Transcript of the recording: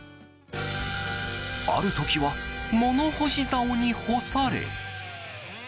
ある時は物干しざおに干され。